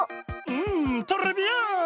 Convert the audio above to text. んトレビアーン！